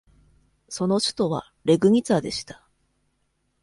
その首都はレグニツァでした。